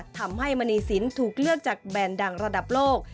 ทำให้มณีสินถูกเลือกจากแบรนด์ดังระดับโลก